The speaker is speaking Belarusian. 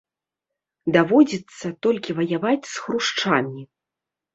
Даводзіцца толькі ваяваць з хрушчамі.